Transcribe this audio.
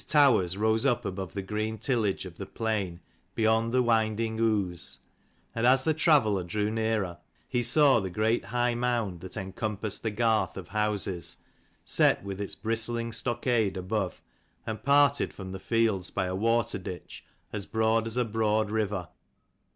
towers rose up above the green tillage of the plain, beyond the (winding Ouse : and as the tra veller drew nearer, he saw the great high mound that encompassed the garth of houses, set with its bristling stockade above, and parted from the fields by a water ditch as broad as a broad river.